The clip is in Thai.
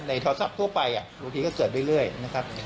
ในโทรศัพท์ทั่วไปอ่ะหลวงทีก็เกิดเรื่อยเรื่อยนะครับ